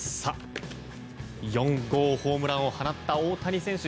４号ホームランを放った大谷選手。